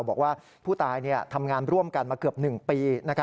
บอกว่าผู้ตายทำงานร่วมกันมาเกือบ๑ปี